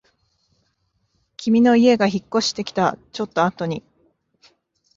君の家が引っ越してきたちょっとあとに